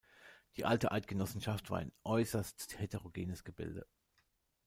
Die Alte Eidgenossenschaft war ein äusserst heterogenes Gebilde.